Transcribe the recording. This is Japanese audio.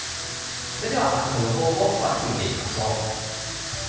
それでは明日の予報を詳しく見ていきましょう。